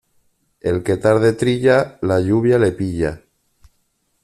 El que tarde trilla, la lluvia le pilla.